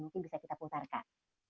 mungkin bisa kita putarkan